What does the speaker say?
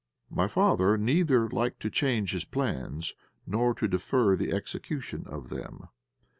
My father neither liked to change his plans, nor to defer the execution of them.